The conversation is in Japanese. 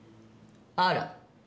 あら！